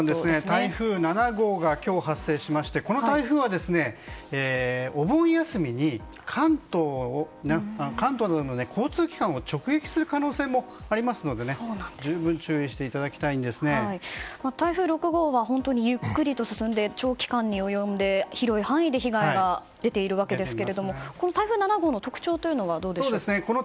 台風７号が今日発生しましてこの台風は、お盆休みに関東など交通機関を直撃する可能性もありますので十分台風６号はゆっくりと進んで長期間に及び広い範囲で被害が出ていますがこの台風７号の特徴というのはどうでしょうか。